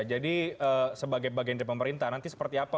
jadi sebagai bagian dari pemerintah nanti seperti apa